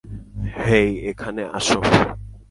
হেই, এখানে আসো।